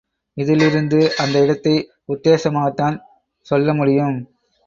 இதிலிருந்து அந்த இடத்தை உத்தேசமாகத்தான் சொல்ல முடியும்.